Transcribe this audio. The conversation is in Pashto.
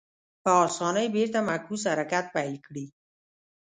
په اسانۍ بېرته معکوس حرکت پیل کړي.